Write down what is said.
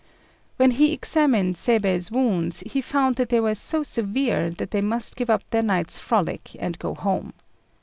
When he examined Seibei's wounds, he found that they were so severe that they must give up their night's frolic and go home.